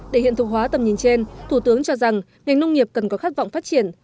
để hiện thực hóa tầm nhìn trên thủ tướng cho rằng ngành nông nghiệp cần có khát vọng phát triển